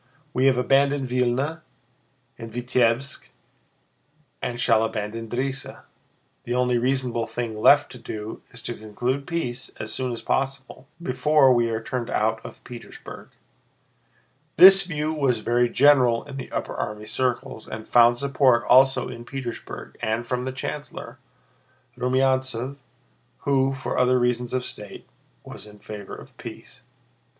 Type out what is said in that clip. We have abandoned Vílna and Vítebsk and shall abandon Drissa. The only reasonable thing left to do is to conclude peace as soon as possible, before we are turned out of Petersburg." This view was very general in the upper army circles and found support also in Petersburg and from the chancellor, Rumyántsev, who, for other reasons of state, was in favor of peace.